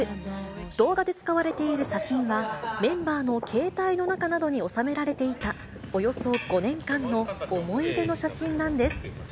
動画で使われている写真は、メンバーの携帯の中などに収められていた、およそ５年間の思い出の写真なんです。